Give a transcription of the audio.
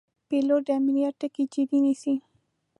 پیلوټ د امنیت ټکي جدي نیسي.